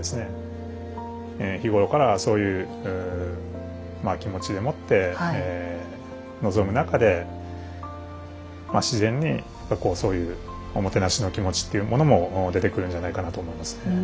日頃からそういう気持ちでもって臨む中でまあ自然にそういうおもてなしの気持ちというものも出てくるんじゃないかなと思いますね。